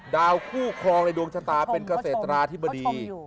ดาวคู่ครองในดวงชะตาเป็นเกษตราธิบดี